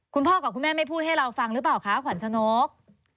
คุณพ่อกับคุณแม่ไม่พูดให้เราฟังหรือเปล่าคะขวัญชนก